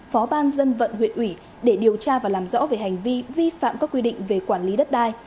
phó ban dân vận huyện ủy để điều tra và làm rõ về hành vi vi phạm các quy định về quản lý đất đai